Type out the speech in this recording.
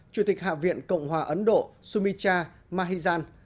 chủ tịch hạ viện cộng hòa ấn độ sumitra mahijan